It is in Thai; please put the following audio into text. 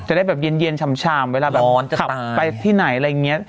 จะได้แบบเย็นเย็นฉ่ำฉ่ำเวลาแบบร้อนจะตายขับไปที่ไหนอะไรอย่างเงี้ย